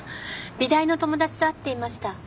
美大の友達と会っていました。